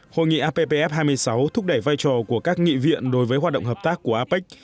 hội nghị appf hai mươi sáu thúc đẩy vai trò của các nghị viện đối với hoạt động hợp tác của apec